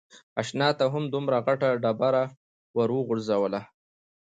اشنا تا هم دومره غټه ډبره ور و غورځوله.